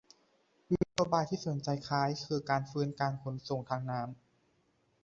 มีนโยบายที่สนใจคล้าย คือ การฟื้นการขนส่งทางน้ำ